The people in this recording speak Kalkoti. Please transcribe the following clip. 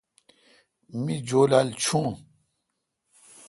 می جولال چوݨڈ۔